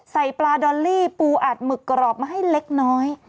ใส่ปลาดอลลี่ปูอัดหมึกกรอบมาให้เล็กน้อย